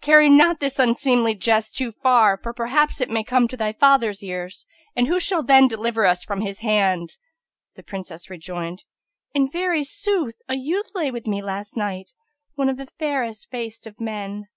carry not this unseemly jest too far; for perhaps it may come to thy father's ears, and who shall then deliver us from his hand?" The Princess rejoined, "In very sooth a youth lay with me last night, one of the fairest faced of men."